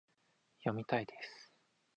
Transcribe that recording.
読みたいです